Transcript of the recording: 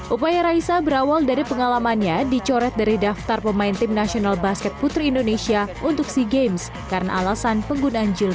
upaya raisa berawal dari pengalamannya dicoret dari daftar pemain tim nasional basket putri indonesia untuk sea games karena alasan penggunaan jilbab